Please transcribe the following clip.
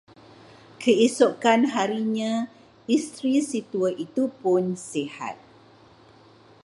Keesokan harinya isteri si tua itupun sihat.